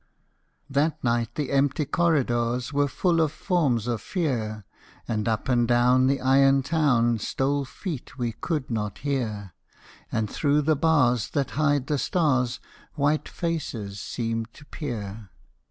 That night the empty corridors Were full of forms of Fear, And up and down the iron town Stole feet we could not hear, And through the bars that hide the stars White faces seemed to peer.